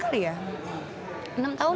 kamu tuh udah anak ibu perumahan